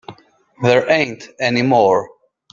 There ain't any more.